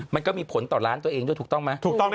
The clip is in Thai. มันก็มีผลต่อร้านตัวเองด้วยถูกต้องไหม